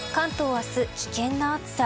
明日、危険な暑さ。